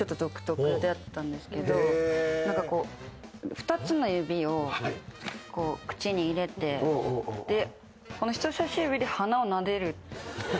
２つの指を口に入れて人さし指で鼻をなでる。